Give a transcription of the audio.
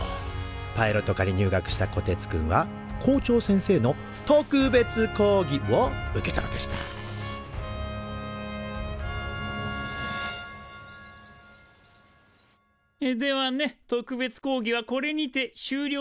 パイロット科に入学したこてつくんは校長先生の特別講義を受けたのでしたではね特別講義はこれにて終了でしゅりょ。